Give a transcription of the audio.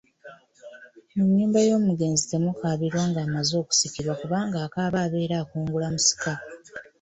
Mu nnyumba y'omugenzi temukaabirwa ng'amaze okusikirwa kubanga akaaba abeera akungula musika.